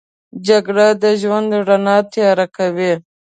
جګړه د ژوند رڼا تیاره کوي